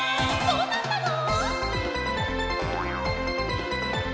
「どうなったの？」